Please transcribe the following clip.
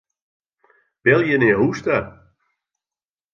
Belje nei hûs ta.